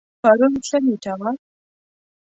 پرون څه نیټه وه؟